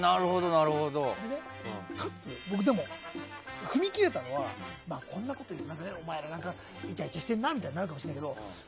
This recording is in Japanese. かつ、僕はでも踏み切れたのはこんなこと言うとお前らイチャイチャしてるなみたいになるかもしれないけど